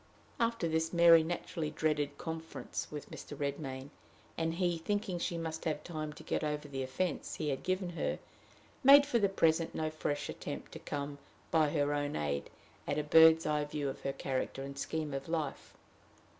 After this, Mary naturally dreaded conference with Mr. Redmain; and he, thinking she must have time to get over the offense he had given her, made for the present no fresh attempt to come, by her own aid, at a bird's eye view of her character and scheme of life.